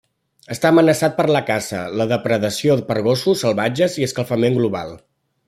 Està amenaçat per la caça, la depredació per gossos salvatges i l'escalfament global.